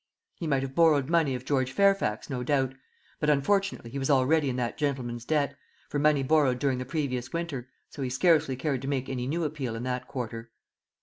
He might have borrowed money of George Fairfax, no doubt; but unfortunately he was already in that gentleman's debt, for money borrowed during the previous winter; so he scarcely cared to make any new appeal in that quarter.